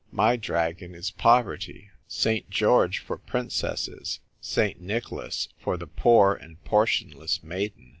My dragon is povert3^ St. George for princesses ; St. Nicholas for the poor and portionless maiden